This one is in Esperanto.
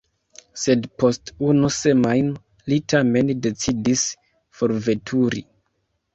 Sed post unu semajno li tamen decidis forveturi.